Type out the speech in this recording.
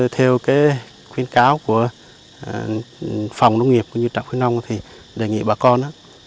theo khuyến cáo của phòng nông nghiệp và trạng khuyến nông đề nghị bà con